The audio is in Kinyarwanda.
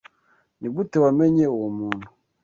Nigute wamenye uwo muntu?